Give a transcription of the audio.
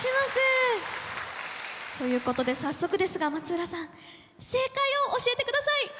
ということで早速ですが松浦さん正解を教えてください。